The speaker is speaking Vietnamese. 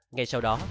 ngay sau đó